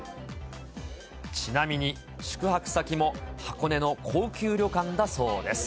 ちなみに、宿泊先も箱根の高級旅館だそうです。